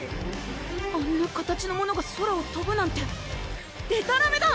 あんな形のものが空をとぶなんてでたらめだ！